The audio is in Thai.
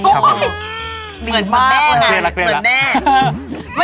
โอ้ยเหมือนเมื่อแม่